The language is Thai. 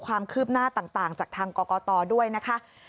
ความคืบหน้าต่างจากทางกรกตด้วยนะคะ